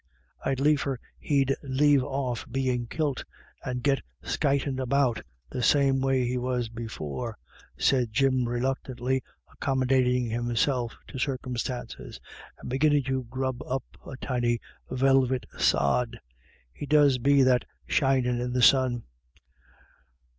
u I'd liefer he'd lave off bein* kilt, and git skytin* about the same way he was before," said Jim, re luctantly accommodating himself to circumstances, and beginning to grub up a tiny velvet sod ;" he does be that shinin' in the sun."